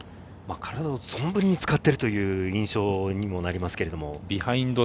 体を存分に使っているという印象にもなりますが。